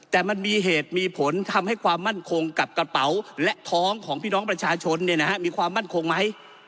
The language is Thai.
แต่มันมีเหตุมีผลทำให้ความมั่นคงกับกระเป๋าและท้องของพี่น้องประชาชนมีความมั่นคงไหม